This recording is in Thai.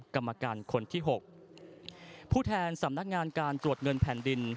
กรรมการคนที่๖ผู้แทนสำนักงานการตรวจเงินแผ่นดิน